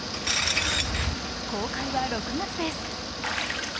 公開は６月です。